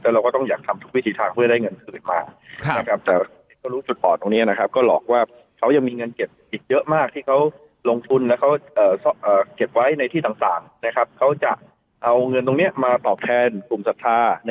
แล้วเราก็ต้องอยากทำทุกวิธีทางเพื่อได้เงินคืนมานะครับ